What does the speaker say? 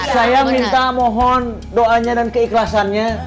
saya minta mohon doanya dan keikhlasannya